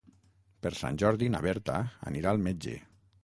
Per Sant Jordi na Berta anirà al metge.